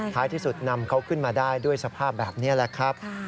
ท้ายที่สุดนำเขาขึ้นมาได้ด้วยสภาพแบบนี้แหละครับ